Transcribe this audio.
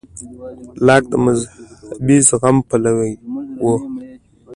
لاک د مذهبي زغم پلوی و.